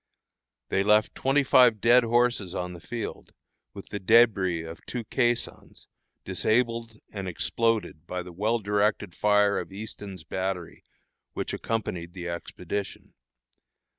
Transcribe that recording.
They left twenty five dead horses on the field, with the débris of two caissons, disabled and exploded by the well directed fire of Easton's battery, which accompanied the expedition.